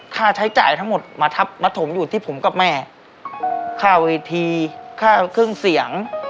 ค่าใช้จ่ายทั้งหมดมาทับมาถมอยู่ที่ผมกับแม่ค่าเวทีค่าเครื่องเสียง